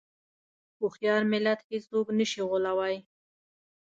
هوښیار ملت هېڅوک نه شي غولوی.